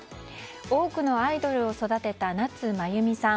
多くのアイドルを育てた夏まゆみさん。